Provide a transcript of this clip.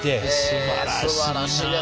すばらしいな。